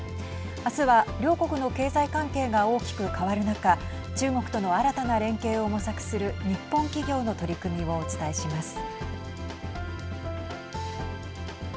明日は、両国の経済関係が大きく変わる中中国との新たな連携を模索する日本企業の取り組みをお伝えします。